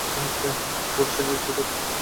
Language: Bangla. গুড় চিনির থেকে কম মিষ্টি হলেও বেশি পুষ্টিকর।